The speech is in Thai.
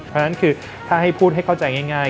เพราะฉะนั้นคือถ้าให้พูดให้เข้าใจง่าย